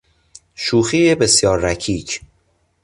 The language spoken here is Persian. شوخی بسیار رکیک